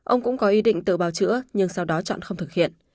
ông cũng có ý định tự bào chữa nhưng sau đó chọn không thực hiện